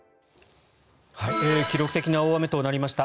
記録的な大雨となりました